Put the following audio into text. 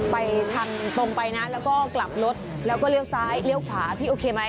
ไปทางตรงไปนะแล้วก็กลับรถแล้วก็เลี้ยวซ้ายเลี้ยวขวาพี่โอเคไหม